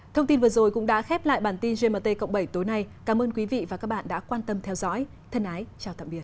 thông tin vừa rồi cũng đã khép lại bản tin gmt cộng bảy tối nay cảm ơn quý vị và các bạn đã quan tâm theo dõi thân ái chào tạm biệt